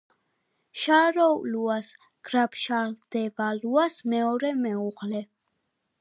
შაროლუას გრაფ შარლ დე ვალუას მეორე მეუღლე.